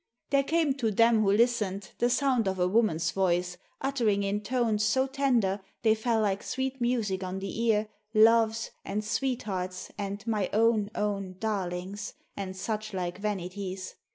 There came to them who listened the sound of a woman's voice, uttering, in tones so tender they fell like sweet music on the ear, "loves," and "sweethearts," and "my own, own darlings!" and such like vanities.